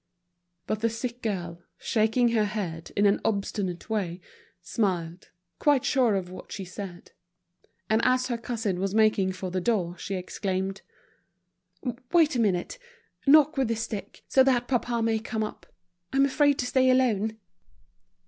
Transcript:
But the sick girl, shaking her head in an obstinate way, smiled, quite sure of what she said. And as her cousin was making for the door, she exclaimed: "Wait a minute, knock with this stick, so that papa may come up. I'm afraid to stay alone."